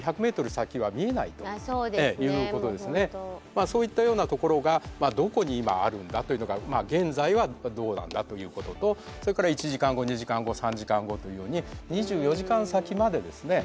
まあそういったような所がどこに今あるんだというのが現在はどうなんだということとそれから１時間後２時間後３時間後というように２４時間先までですね